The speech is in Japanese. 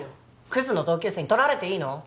クズの同級生に取られていいの？